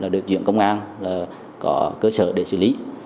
được diện công an có cơ sở để xử lý